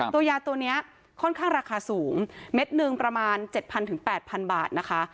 ตัวยาตัวนี้ค่อนข้างราคาสูงเม็ดหนึ่งประมาณ๗๐๐๘๐๐บาทนะคะ